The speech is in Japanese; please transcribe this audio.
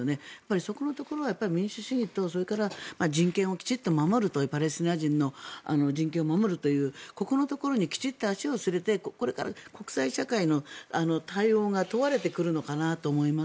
そこのところは民主主義と人権をきちんと守るというパレスチナ人の人権を守るというここのところにきちんと足を据えてこれから国際社会の対応が問われてくるのかなと思います。